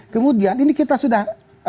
kemudian ini kita sudah